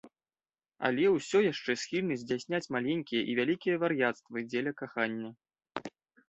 Але ўсё яшчэ схільны здзяйсняць маленькія і вялікія вар'яцтвы дзеля кахання.